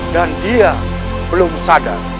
dan dia belum sadar